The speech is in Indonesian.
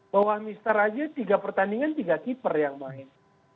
bahwa mr aja tiga pertandingan tiga keeper yang main